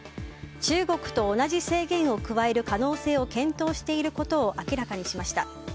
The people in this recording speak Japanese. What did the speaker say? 中国と同じ制限を加える可能性を検討していることを明らかにしました。